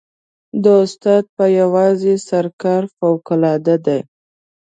د استاد په یوازې سر کار فوقالعاده دی.